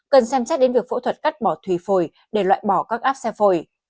cần xem xét đến việc phẫu thuật cắt bỏ thủy phổi để loại bỏ các áp xe phổi